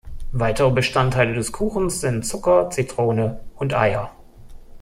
Weitere Bestandteile des Kuchens sind Zucker, Zitrone und Eier.